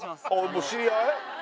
もう知り合い？